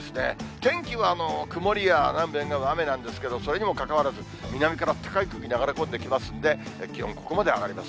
天気は曇りや、南部沿岸部雨なんですけれども、それにもかかわらず、南からあったかい空気流れ込んできますので、気温、ここまで上がります。